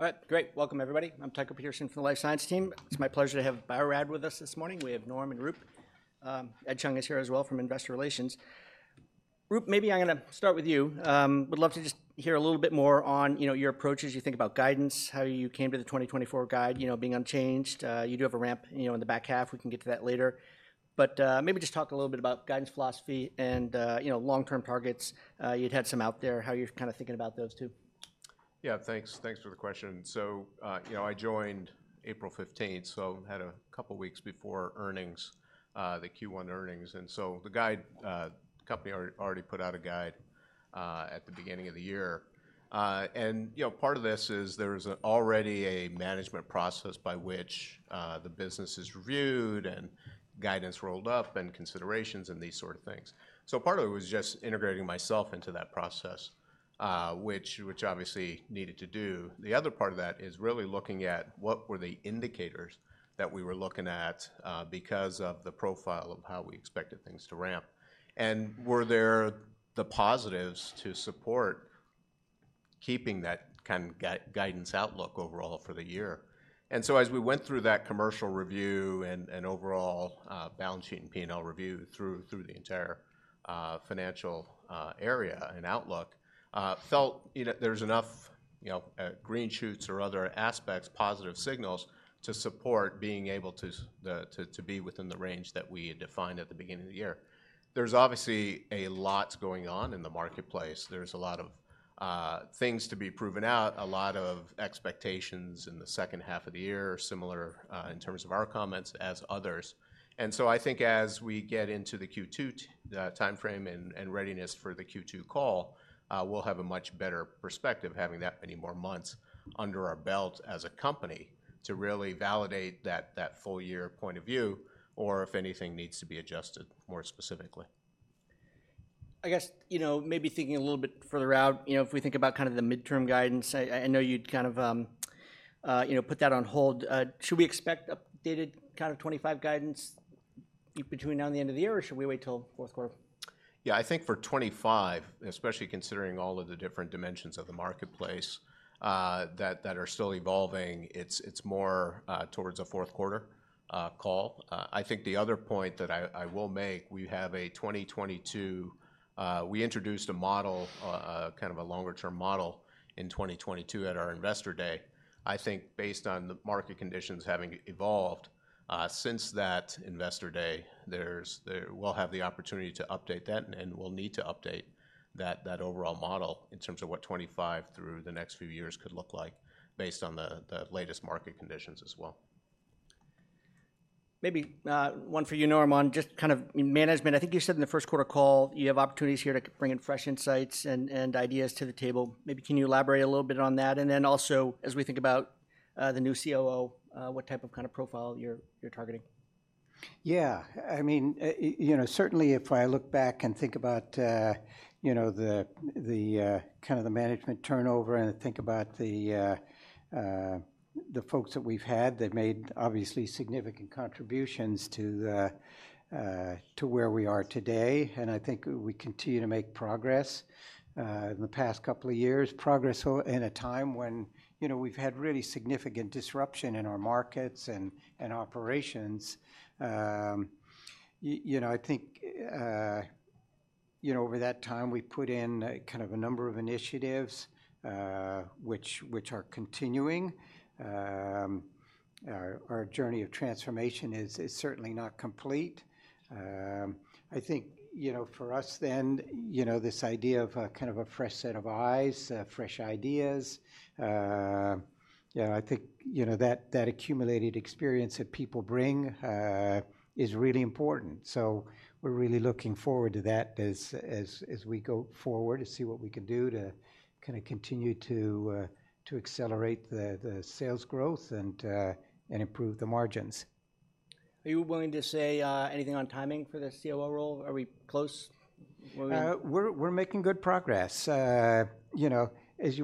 All right, great. Welcome, everybody. I'm Tycho Peterson from the Life Science Team. It's my pleasure to have Bio-Rad with us this morning. We have Norm and Roop. Ed Chung is here as well from investor relations. Roop, maybe I'm going to start with you. Would love to just hear a little bit more on your approach as you think about guidance, how you came to the 2024 guide, being unchanged. You do have a ramp in the back half. We can get to that later. But maybe just talk a little bit about guidance philosophy and long-term targets. You'd had some out there. How are you kind of thinking about those two? Yeah, thanks for the question. So I joined April 15, so I had a couple of weeks before earnings, the Q1 earnings. And so the guidance the company already put out guidance at the beginning of the year. And part of this is there is already a management process by which the business is reviewed and guidance rolled up and considerations and these sort of things. So part of it was just integrating myself into that process, which obviously needed to do. The other part of that is really looking at what were the indicators that we were looking at because of the profile of how we expected things to ramp. And were there the positives to support keeping that kind of guidance outlook overall for the year? And so as we went through that commercial review and overall balance sheet and P&L review through the entire financial area and outlook, felt there's enough green shoots or other aspects, positive signals to support being able to be within the range that we had defined at the beginning of the year. There's obviously a lot going on in the marketplace. There's a lot of things to be proven out, a lot of expectations in the second half of the year, similar in terms of our comments as others. And so I think as we get into the Q2 timeframe and readiness for the Q2 call, we'll have a much better perspective having that many more months under our belt as a company to really validate that full-year point of view or if anything needs to be adjusted more specifically. I guess maybe thinking a little bit further out, if we think about kind of the midterm guidance, I know you'd kind of put that on hold. Should we expect updated kind of 2025 guidance between now and the end of the year, or should we wait till fourth quarter? Yeah, I think for 2025, especially considering all of the different dimensions of the marketplace that are still evolving, it's more towards a fourth quarter call. I think the other point that I will make, we have a 2022, we introduced a model, kind of a longer-term model in 2022 at our investor day. I think based on the market conditions having evolved since that investor day, we'll have the opportunity to update that and we'll need to update that overall model in terms of what 2025 through the next few years could look like based on the latest market conditions as well. Maybe one for you, Norman. Just kind of management. I think you said in the first quarter call, you have opportunities here to bring in fresh insights and ideas to the table. Maybe can you elaborate a little bit on that? And then also as we think about the new COO, what type of kind of profile you're targeting? Yeah, I mean, certainly if I look back and think about kind of the management turnover and think about the folks that we've had, they've made obviously significant contributions to where we are today. And I think we continue to make progress in the past couple of years, progress in a time when we've had really significant disruption in our markets and operations. I think over that time, we put in kind of a number of initiatives, which are continuing. Our journey of transformation is certainly not complete. I think for us then, this idea of kind of a fresh set of eyes, fresh ideas, I think that accumulated experience that people bring is really important. So we're really looking forward to that as we go forward to see what we can do to kind of continue to accelerate the sales growth and improve the margins. Are you willing to say anything on timing for the COO role? Are we close? We're making good progress. As you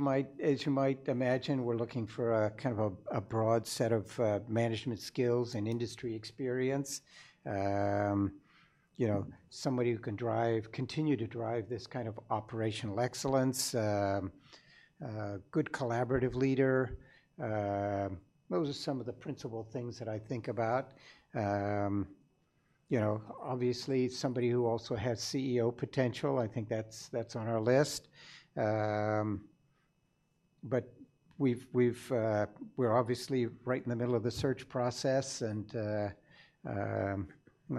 might imagine, we're looking for kind of a broad set of management skills and industry experience, somebody who can drive, continue to drive this kind of operational excellence, good collaborative leader. Those are some of the principal things that I think about. Obviously, somebody who also has CEO potential, I think that's on our list. But we're obviously right in the middle of the search process and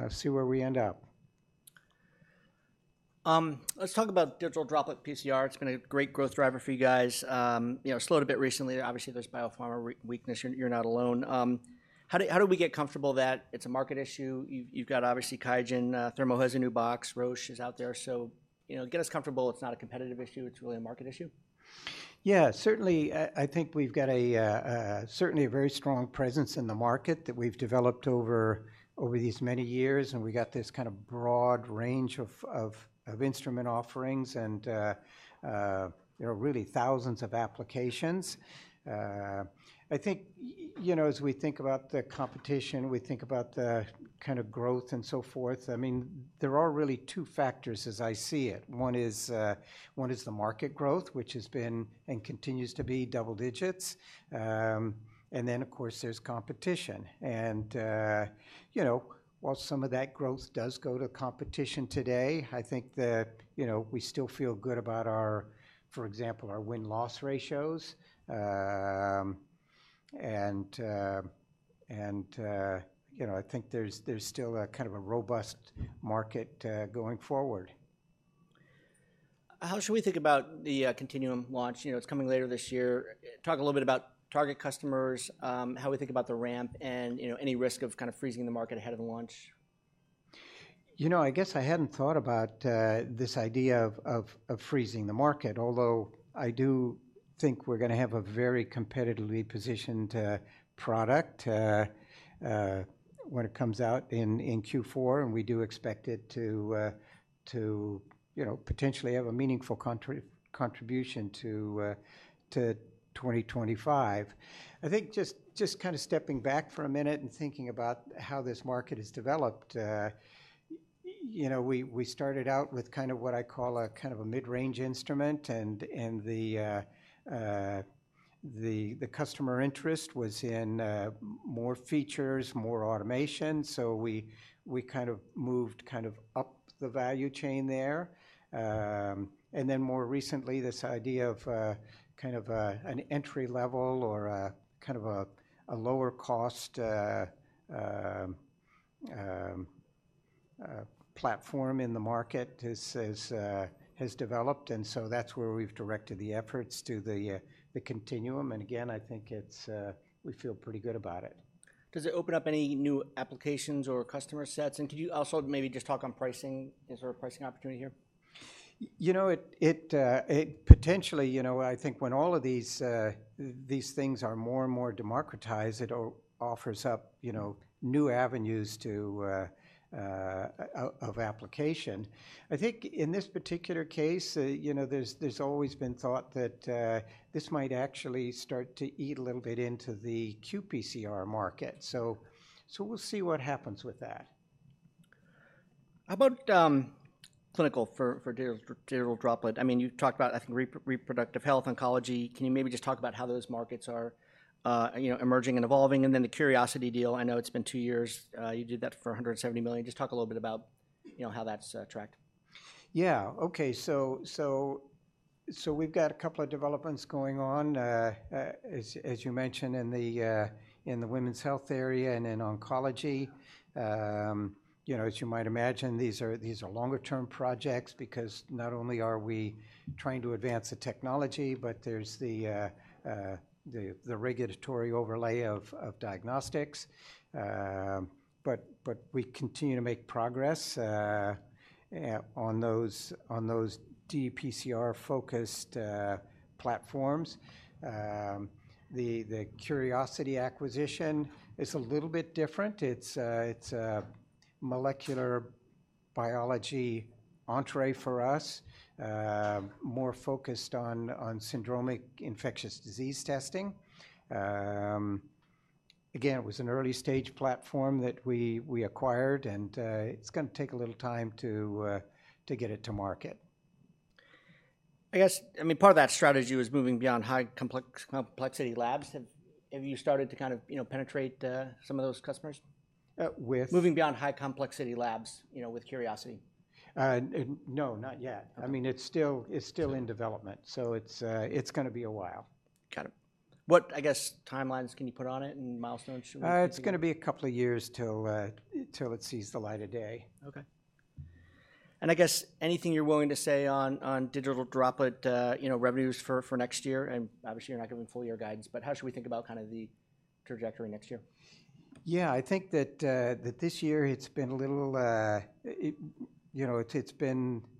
see where we end up. Let's talk about digital droplet PCR. It's been a great growth driver for you guys. Slowed a bit recently. Obviously, there's Biopharma weakness. You're not alone. How do we get comfortable that it's a market issue? You've got obviously Qiagen, Thermo has a new box, Roche is out there. So get us comfortable. It's not a competitive issue. It's really a market issue. Yeah, certainly. I think we've got certainly a very strong presence in the market that we've developed over these many years. And we got this kind of broad range of instrument offerings and really thousands of applications. I think as we think about the competition, we think about the kind of growth and so forth. I mean, there are really two factors as I see it. One is the market growth, which has been and continues to be double digits. And then, of course, there's competition. And while some of that growth does go to competition today, I think that we still feel good about, for example, our win-loss ratios. And I think there's still a kind of a robust market going forward. How should we think about the Continuum launch? It's coming later this year. Talk a little bit about target customers, how we think about the ramp, and any risk of kind of freezing the market ahead of the launch. You know, I guess I hadn't thought about this idea of freezing the market, although I do think we're going to have a very competitively positioned product when it comes out in Q4. And we do expect it to potentially have a meaningful contribution to 2025. I think just kind of stepping back for a minute and thinking about how this market has developed. We started out with kind of what I call a kind of a mid-range instrument. And the customer interest was in more features, more automation. So we kind of moved kind of up the value chain there. And then more recently, this idea of kind of an entry-level or kind of a lower-cost platform in the market has developed. And so that's where we've directed the efforts to the Continuum. And again, I think we feel pretty good about it. Does it open up any new applications or customer sets? Could you also maybe just talk on pricing? Is there a pricing opportunity here? Potentially, I think when all of these things are more and more democratized, it offers up new avenues of application. I think in this particular case, there's always been thought that this might actually start to eat a little bit into the qPCR market. We'll see what happens with that. How about clinical for digital droplet? I mean, you talked about, I think, reproductive health, oncology. Can you maybe just talk about how those markets are emerging and evolving? And then the Curiosity deal, I know it's been two years. You did that for $170 million. Just talk a little bit about how that's tracked. Yeah, okay. So we've got a couple of developments going on, as you mentioned, in the women's health area and in oncology. As you might imagine, these are longer-term projects because not only are we trying to advance the technology, but there's the regulatory overlay of diagnostics. But we continue to make progress on those dPCR-focused platforms. The Curiosity acquisition is a little bit different. It's a molecular biology entree for us, more focused on syndromic infectious disease testing. Again, it was an early-stage platform that we acquired. And it's going to take a little time to get it to market. I guess, I mean, part of that strategy was moving beyond high-complexity labs. Have you started to kind of penetrate some of those customers? With? Moving beyond high-complexity labs with Curiosity. No, not yet. I mean, it's still in development. So it's going to be a while. Got it. What, I guess, timelines can you put on it and milestones? It's going to be a couple of years till it sees the light of day. Okay. And I guess anything you're willing to say on digital droplet revenues for next year? Obviously, you're not giving full-year guidance, but how should we think about kind of the trajectory next year? Yeah, I think that this year it's been a little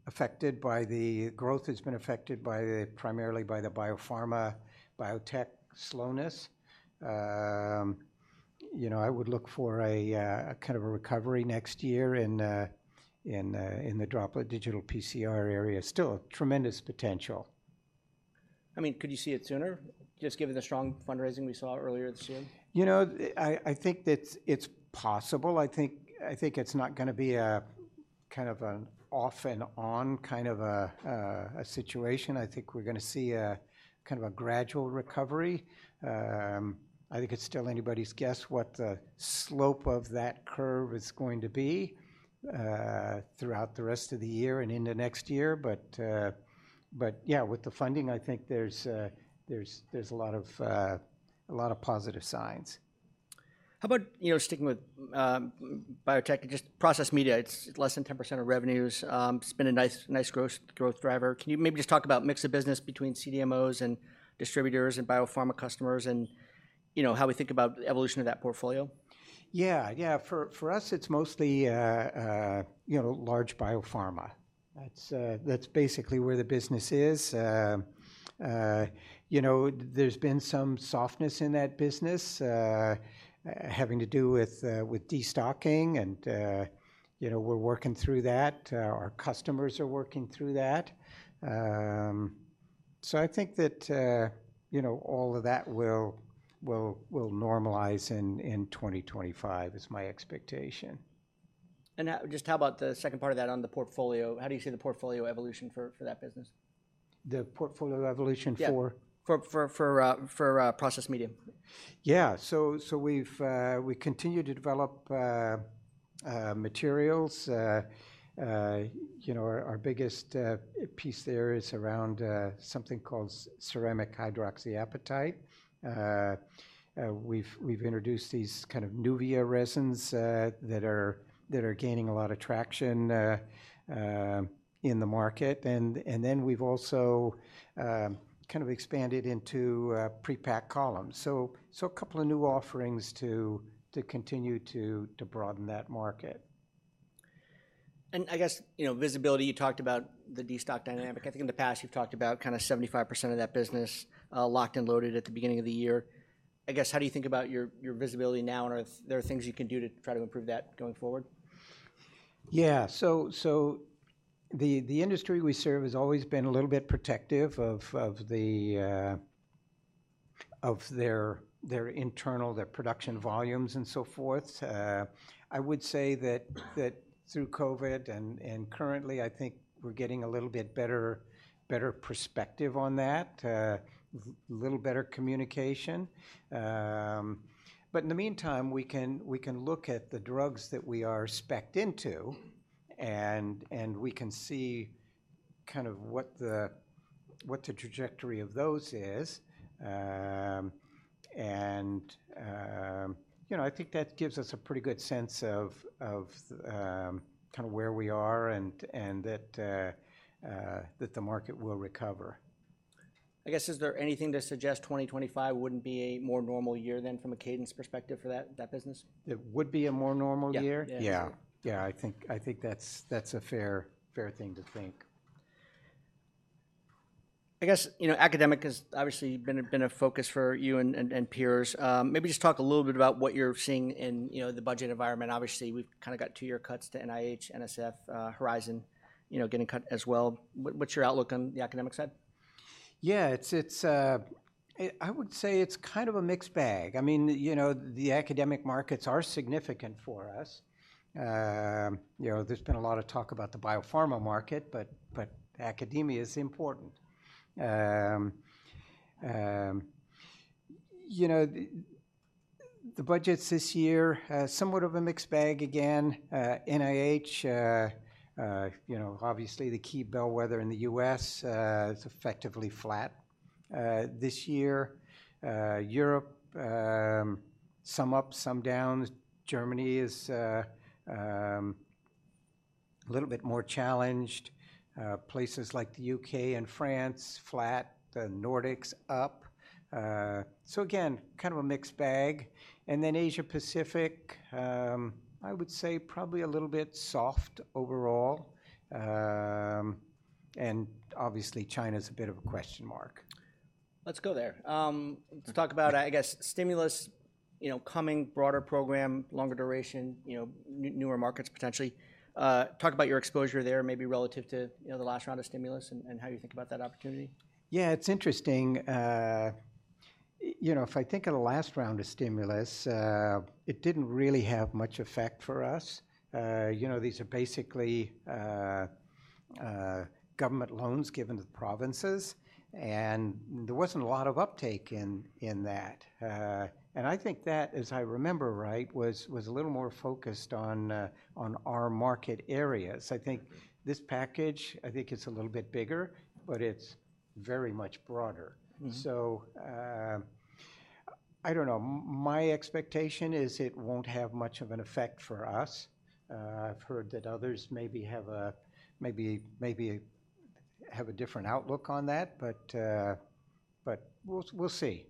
affected by the growth. It's been affected primarily by the biopharma biotech slowness. I would look for kind of a recovery next year in the Droplet Digital PCR area. Still tremendous potential. I mean, could you see it sooner, just given the strong fundraising we saw earlier this year? You know, I think it's possible. I think it's not going to be kind of an off and on kind of a situation. I think we're going to see kind of a gradual recovery. I think it's still anybody's guess what the slope of that curve is going to be throughout the rest of the year and into next year. But yeah, with the funding, I think there's a lot of positive signs. How about sticking with biotech, just process media, it's less than 10% of revenues. It's been a nice growth driver. Can you maybe just talk about mix of business between CDMOs and distributors and biopharma customers and how we think about the evolution of that portfolio? Yeah, yeah. For us, it's mostly large biopharma. That's basically where the business is. There's been some softness in that business having to do with destocking. And we're working through that. Our customers are working through that. So I think that all of that will normalize in 2025 is my expectation. Just how about the second part of that on the portfolio? How do you see the portfolio evolution for that business? The portfolio evolution for? For process media. Yeah. So we continue to develop materials. Our biggest piece there is around something called ceramic hydroxyapatite. We've introduced these kind of Nuvia resins that are gaining a lot of traction in the market. And then we've also kind of expanded into prepack columns. So a couple of new offerings to continue to broaden that market. I guess visibility, you talked about the destocking dynamic. I think in the past, you've talked about kind of 75% of that business locked and loaded at the beginning of the year. I guess how do you think about your visibility now? And are there things you can do to try to improve that going forward? Yeah. So the industry we serve has always been a little bit protective of their internal, their production volumes and so forth. I would say that through COVID and currently, I think we're getting a little bit better perspective on that, a little better communication. But in the meantime, we can look at the drugs that we are specked into. And we can see kind of what the trajectory of those is. And I think that gives us a pretty good sense of kind of where we are and that the market will recover. I guess, is there anything to suggest 2025 wouldn't be a more normal year than from a cadence perspective for that business? It would be a more normal year? Yeah. Yeah, yeah. I think that's a fair thing to think. I guess academic has obviously been a focus for you and peers. Maybe just talk a little bit about what you're seeing in the budget environment. Obviously, we've kind of got two-year cuts to NIH, NSF, Horizon getting cut as well. What's your outlook on the academic side? Yeah. I would say it's kind of a mixed bag. I mean, the academic markets are significant for us. There's been a lot of talk about the biopharma market, but academia is important. The budgets this year, somewhat of a mixed bag again. NIH, obviously the key bellwether in the U.S., is effectively flat this year. Europe, some up, some down. Germany is a little bit more challenged. Places like the U.K. and France, flat. The Nordics, up. So again, kind of a mixed bag. And then Asia-Pacific, I would say probably a little bit soft overall. And obviously, China is a bit of a question mark. Let's go there. Let's talk about, I guess, stimulus coming, broader program, longer duration, newer markets potentially. Talk about your exposure there maybe relative to the last round of stimulus and how you think about that opportunity. Yeah, it's interesting. If I think of the last round of stimulus, it didn't really have much effect for us. These are basically government loans given to the provinces. And there wasn't a lot of uptake in that. And I think that, as I remember right, was a little more focused on our market areas. I think this package, I think it's a little bit bigger. But it's very much broader. So I don't know. My expectation is it won't have much of an effect for us. I've heard that others maybe have a different outlook on that. But we'll see.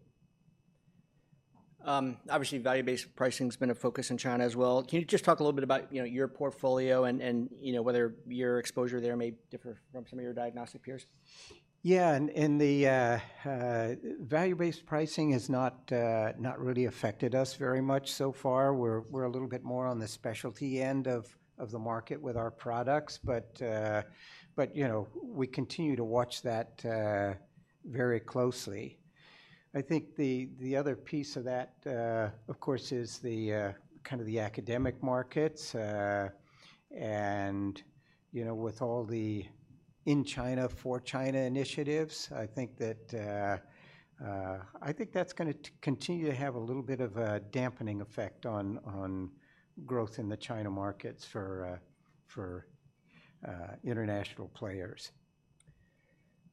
Obviously, value-based pricing has been a focus in China as well. Can you just talk a little bit about your portfolio and whether your exposure there may differ from some of your diagnostic peers? Yeah. The value-based pricing has not really affected us very much so far. We're a little bit more on the specialty end of the market with our products. We continue to watch that very closely. I think the other piece of that, of course, is kind of the academic markets. With all the in-China, for-China initiatives, I think that's going to continue to have a little bit of a dampening effect on growth in the China markets for international players.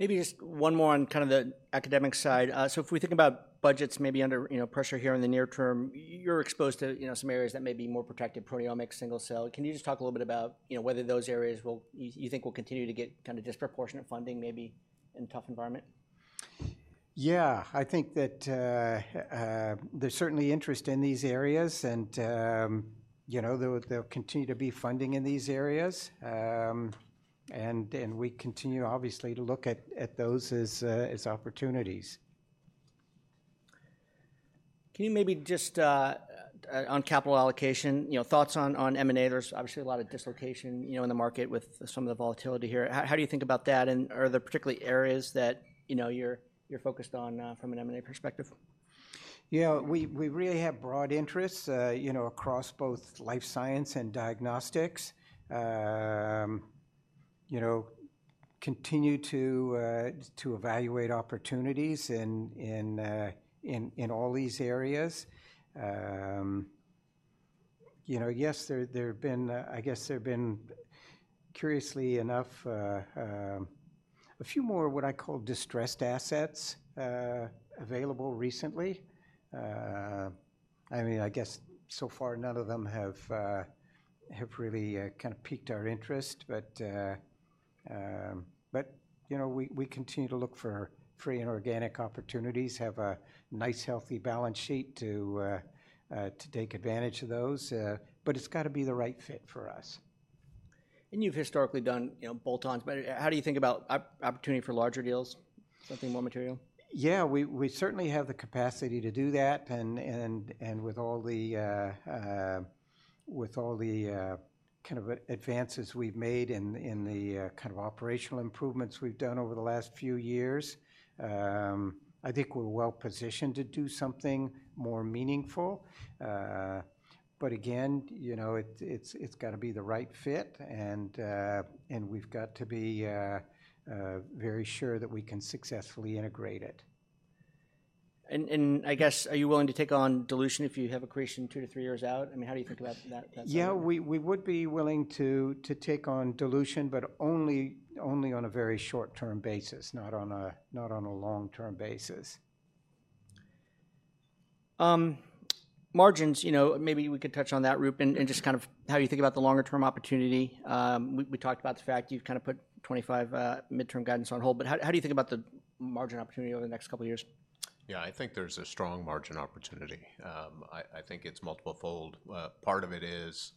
Maybe just one more on kind of the academic side. So if we think about budgets maybe under pressure here in the near term, you're exposed to some areas that may be more protected, proteomics, single-cell. Can you just talk a little bit about whether those areas you think will continue to get kind of disproportionate funding maybe in a tough environment? Yeah. I think that there's certainly interest in these areas. And there'll continue to be funding in these areas. And we continue, obviously, to look at those as opportunities. Can you maybe just on capital allocation, thoughts on M&A? There's obviously a lot of dislocation in the market with some of the volatility here. How do you think about that? And are there particular areas that you're focused on from an M&A perspective? Yeah. We really have broad interests across both life science and diagnostics. Continue to evaluate opportunities in all these areas. Yes, I guess there have been, curiously enough, a few more what I call distressed assets available recently. I mean, I guess so far none of them have really kind of piqued our interest. But we continue to look for M&A and organic opportunities, have a nice, healthy balance sheet to take advantage of those. But it's got to be the right fit for us. You've historically done bolt-ons. How do you think about opportunity for larger deals, something more material? Yeah. We certainly have the capacity to do that. With all the kind of advances we've made in the kind of operational improvements we've done over the last few years, I think we're well positioned to do something more meaningful. But again, it's got to be the right fit. We've got to be very sure that we can successfully integrate it. I guess, are you willing to take on dilution if you have a creation 2-3 years out? I mean, how do you think about that? Yeah. We would be willing to take on dilution, but only on a very short-term basis, not on a long-term basis. Margins, maybe we could touch on that route and just kind of how you think about the longer-term opportunity. We talked about the fact you've kind of put 25 midterm guidance on hold. But how do you think about the margin opportunity over the next couple of years? Yeah. I think there's a strong margin opportunity. I think it's multiple fold. Part of it is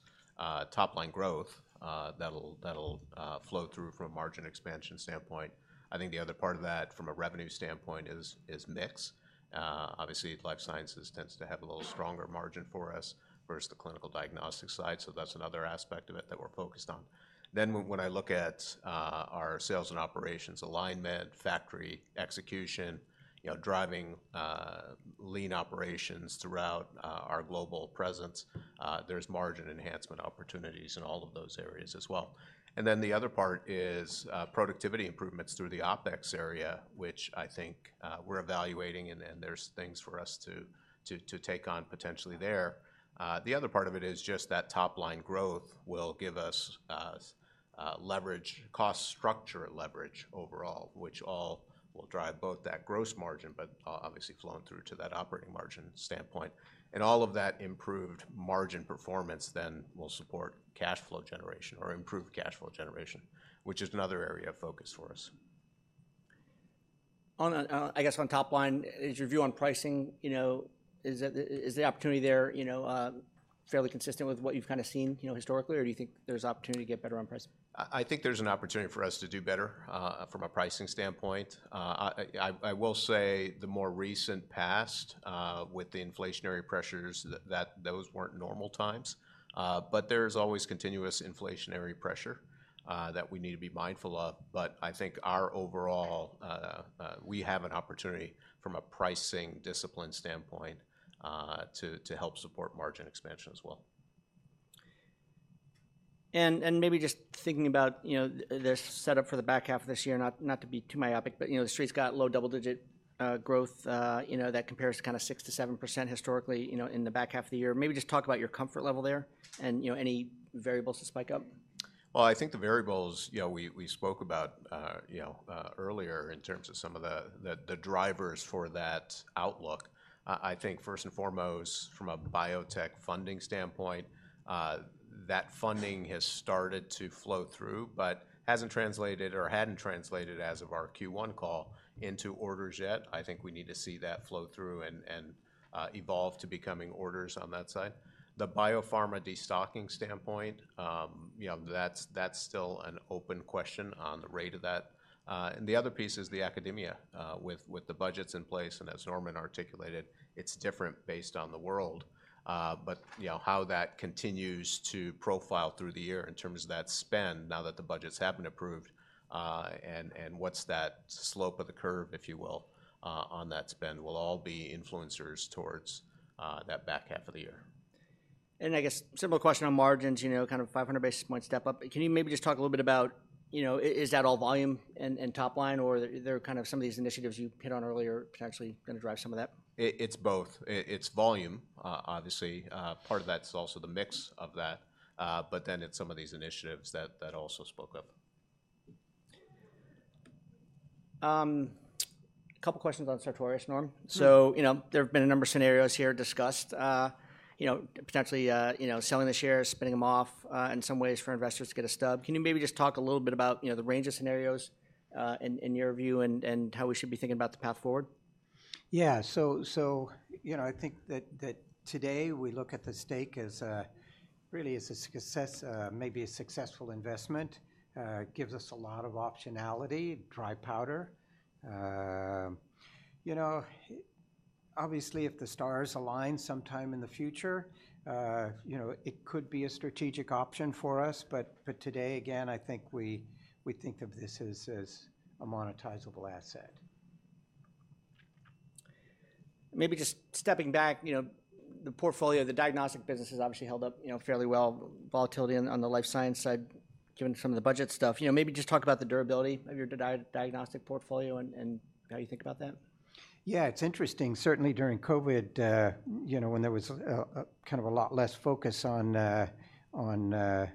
top-line growth that'll flow through from a margin expansion standpoint. I think the other part of that from a revenue standpoint is mix. Obviously, life sciences tends to have a little stronger margin for us versus the clinical diagnostic side. So that's another aspect of it that we're focused on. Then when I look at our sales and operations alignment, factory execution, driving lean operations throughout our global presence, there's margin enhancement opportunities in all of those areas as well. And then the other part is productivity improvements through the OpEx area, which I think we're evaluating. And there's things for us to take on potentially there. The other part of it is just that top-line growth will give us leverage, cost structure leverage overall, which all will drive both that gross margin, but obviously flowing through to that operating margin standpoint. All of that improved margin performance then will support cash flow generation or improve cash flow generation, which is another area of focus for us. I guess on top line, is your view on pricing, is the opportunity there fairly consistent with what you've kind of seen historically? Or do you think there's opportunity to get better on price? I think there's an opportunity for us to do better from a pricing standpoint. I will say the more recent past with the inflationary pressures, those weren't normal times. But there's always continuous inflationary pressure that we need to be mindful of. But I think our overall, we have an opportunity from a pricing discipline standpoint to help support margin expansion as well. Maybe just thinking about the setup for the back half of this year, not to be too myopic, but the street's got low double-digit growth that compares to kind of 6%-7% historically in the back half of the year. Maybe just talk about your comfort level there and any variables to spike up. Well, I think the variables we spoke about earlier in terms of some of the drivers for that outlook. I think first and foremost, from a biotech funding standpoint, that funding has started to flow through, but hasn't translated or hadn't translated as of our Q1 call into orders yet. I think we need to see that flow through and evolve to becoming orders on that side. The biopharma destocking standpoint, that's still an open question on the rate of that. And the other piece is the academia with the budgets in place. And as Norman articulated, it's different based on the world. But how that continues to profile through the year in terms of that spend, now that the budgets have been approved, and what's that slope of the curve, if you will, on that spend will all be influencers towards that back half of the year. I guess similar question on margins, kind of 500 basis points step up. Can you maybe just talk a little bit about, is that all volume and top line? Or are there kind of some of these initiatives you hit on earlier potentially going to drive some of that? It's both. It's volume, obviously. Part of that's also the mix of that. But then it's some of these initiatives that also spoke of. A couple of questions on Sartorius, Norm. So there have been a number of scenarios here discussed, potentially selling the shares, spinning them off in some ways for investors to get a stub. Can you maybe just talk a little bit about the range of scenarios in your view and how we should be thinking about the path forward? Yeah. So I think that today we look at the stake as really as a success, maybe a successful investment. It gives us a lot of optionality, dry powder. Obviously, if the stars align sometime in the future, it could be a strategic option for us. But today, again, I think we think of this as a monetizable asset. Maybe just stepping back, the portfolio, the diagnostic business has obviously held up fairly well, volatility on the life science side given some of the budget stuff. Maybe just talk about the durability of your diagnostic portfolio and how you think about that. Yeah. It's interesting. Certainly during COVID, when there was kind of a lot less focus on kind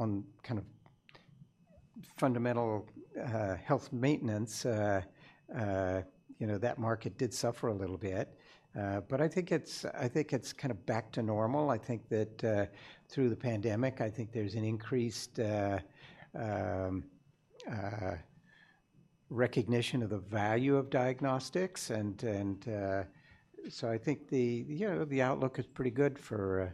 of fundamental health maintenance, that market did suffer a little bit. But I think it's kind of back to normal. I think that through the pandemic, I think there's an increased recognition of the value of diagnostics. And so I think the outlook is pretty good for.